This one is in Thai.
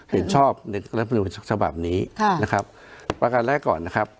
เห็นชอบสบับนี้ค่ะนะครับประการแรกก่อนนะครับ